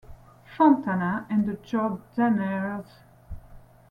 Fontana, and The Jordanaires.